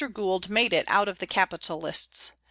Gould made it out of the capitalists.